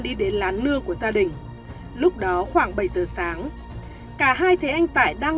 lầy thị hoan đi đến lán nương của gia đình lúc đó khoảng bảy giờ sáng cả hai thấy anh tải đang